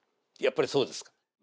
やっぱりそうですか？